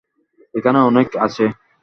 এখানে অনেক আছে।